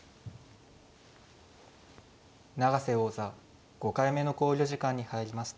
永瀬王座５回目の考慮時間に入りました。